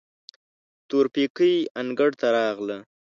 تورپيکۍ انګړ ته راغله.